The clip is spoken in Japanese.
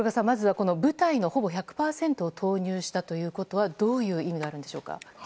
まずは部隊のほぼ１００％を投入したのはどういう意味があるんでしょうか。